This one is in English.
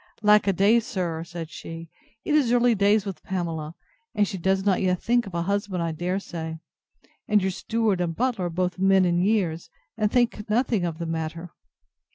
Alack a day, sir, said she, it is early days with Pamela; and she does not yet think of a husband, I dare say: and your steward and butler are both men in years, and think nothing of the matter.